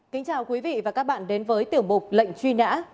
kính chào quý vị và các bạn đến với tiểu mục lệnh truy nã